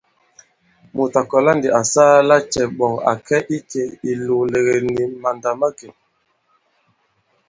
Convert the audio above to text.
Mùt à kɔ̀la ndī à saa cɛ àla à ke i ikè ìlòòlɛ̀gɛ̀ nì màndà̂makè ?